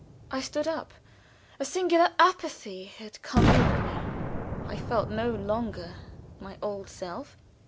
I stood up. A singular apathy had come over me; I felt no longer my old self.